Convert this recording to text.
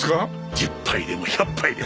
１０杯でも１００杯でも。